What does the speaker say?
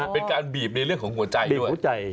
เป็นการบีบในเรื่องของหัวใจด้วย